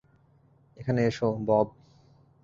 এখানে এসো, বব।